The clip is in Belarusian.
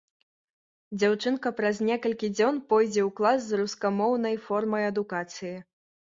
Дзяўчынка праз некалькі дзён пойдзе ў клас з рускамоўнай формай адукацыі.